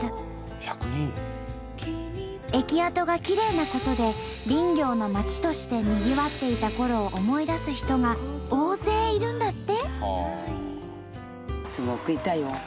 駅跡がきれいなことで林業の町としてにぎわっていたころを思い出す人が大勢いるんだって。